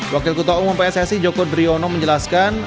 wakil ketua umum pssi joko driono menjelaskan